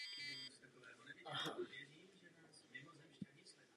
Mezi oběma nosnými plochami byly vzpěry nesoucí trup letadla.